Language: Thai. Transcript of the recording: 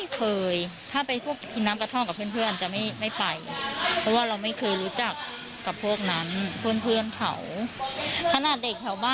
กัดขังเจอมาว่าไม่รู้ไม่รู้แหละ